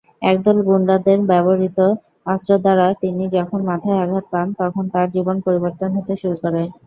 একদল গুন্ডাদের ব্যবহৃত অস্ত্র দ্বারা তিনি যখন মাথায় আঘাত পান, তখন তাঁর জীবন পরিবর্তন হতে শুরু করে।